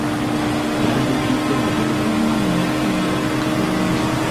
Yandiddidde obugere bw’omwana omuto n'abubikka bulungi.